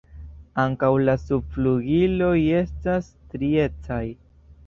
Ankaŭ la subflugiloj estas striecaj.